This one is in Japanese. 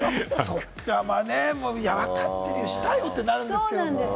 分かってるよ、したよってなるんですよね。